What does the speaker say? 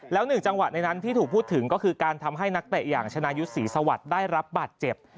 แล้วหนึ่งจังหวะในนั้นที่ถูกพูดถึงก็คือการทำให้นักเตะอย่างชนายุทธ์ศรีสวัสดิ์ได้รับบาดเจ็บ